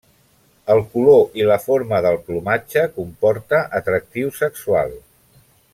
El color i la forma del plomatge comporta atractiu sexual.